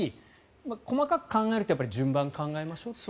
細かく考えると順番を考えましょうという。